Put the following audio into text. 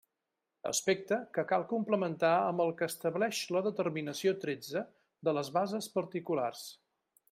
Aspecte que cal complementar amb el que establix la determinació tretze de les bases particulars.